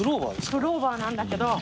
クローバーなんだけど。